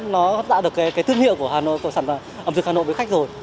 nó đã được thương hiệu của sản phẩm ẩm thực hà nội với khách rồi